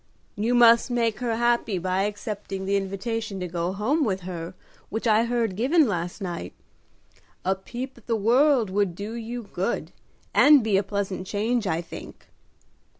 "You must make her happy by accepting the invitation to go home with her which I heard given last night. A peep at the world would do you good, and be a pleasant change, I think."